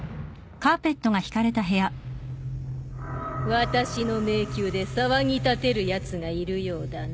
・私の迷宮で騒ぎ立てるやつがいるようだね。